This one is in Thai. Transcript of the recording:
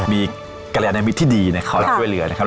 มีกระแหนมิดที่ดีนะครับเขารับด้วยเหลือนะครับ